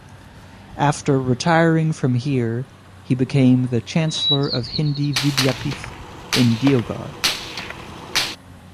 After retiring from here he became the Chancellor of Hindi Vidyapeeth in Deoghar.